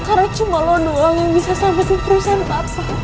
karena cuma lo doang yang bisa selamatin perusahaan papa